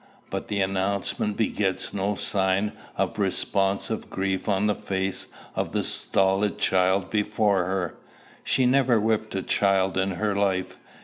But the announcement begets no sign of responsive grief on the face of the stolid child before her. She never whipped a child in her life.